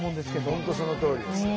本当そのとおりです。